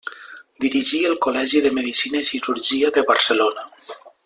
Dirigí el Col·legi de Medicina i Cirurgia de Barcelona.